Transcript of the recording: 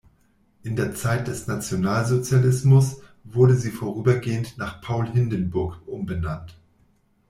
In der Zeit des Nationalsozialismus wurde sie vorübergehend nach Paul Hindenburg umbenannt.